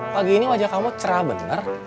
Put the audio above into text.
pagi ini wajah kamu cerah bener